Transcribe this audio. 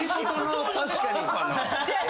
違う。